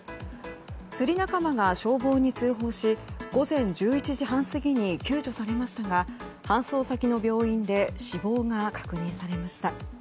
釣り仲間が消防に通報し午前１１時半過ぎに救助されましたが搬送先の病院で死亡が確認されました。